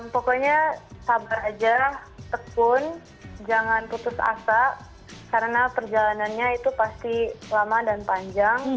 pokoknya sabar aja tekun jangan putus asa karena perjalanannya itu pasti lama dan panjang